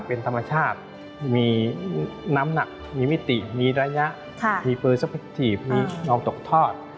เป็นธรรมชาติมีน้ำหนักมีมิติมีระยะมีปืนสักทีมียอมตกทอด